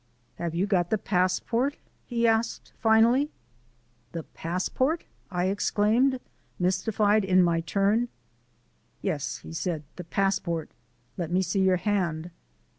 "Have you got the passport?" he asked finally. "The passport!" I exclaimed, mystified in my turn. "Yes," said he, "the passport. Let me see your hand."